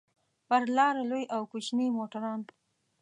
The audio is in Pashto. پر لاره لوی او کوچني موټران.